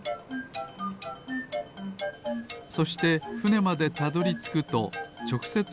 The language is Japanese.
そしてふねまでたどりつくとちょくせつ